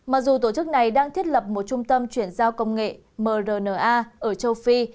mặc dù tổ chức này đang thiết lập một trung tâm chuyển giao công nghệ mrna ở châu phi